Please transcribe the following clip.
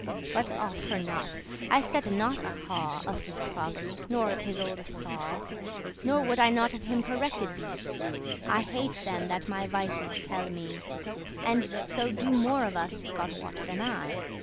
But all for nought; I *sette not a haw* *cared nothing for* Of his proverbs, nor of his olde saw; Nor would I not of him corrected be. I hate them that my vices telle me, And so do more of us (God wot) than I.